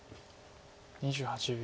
２８秒。